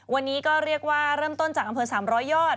วันนี้ก็เรียกว่าเริ่มต้นจากอำเภอ๓๐๐ยอด